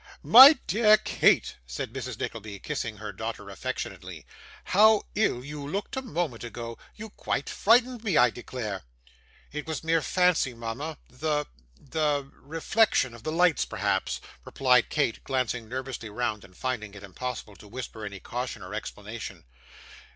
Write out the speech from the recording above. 'My dear Kate,' said Mrs. Nickleby, kissing her daughter affectionately. 'How ill you looked a moment ago! You quite frightened me, I declare!' 'It was mere fancy, mama, the the reflection of the lights perhaps,' replied Kate, glancing nervously round, and finding it impossible to whisper any caution or explanation.